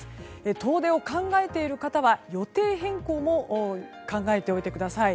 遠出を考えている方は予定変更も考えておいていください。